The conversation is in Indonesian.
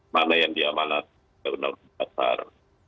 mana yang diamanat kebenaran besar